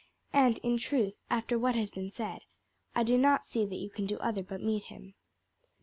And, in truth, after what has been said, I do not see that you can do other but meet him."